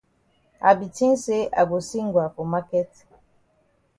I be tink say I go see Ngwa for maket.